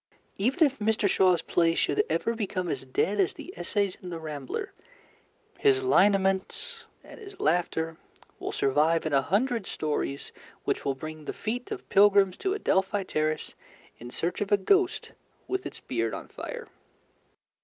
Even if Mr. Shaw's plays should ever become as dead as the essays in The Rambler, his lineaments and his laughter will survive in a hundred stories which will bring the feet of pilgrims to Adelphi Terrace in search of a ghost with its beard on fire.